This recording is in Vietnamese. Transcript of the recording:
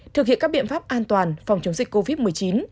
thực hiện các biện pháp an toàn phòng chống dịch covid một mươi chín